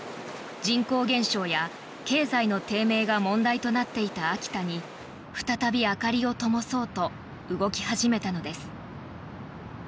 人口減少や経済の低迷が問題となっていた秋田に再び明かりをともそうと動き始めたのです。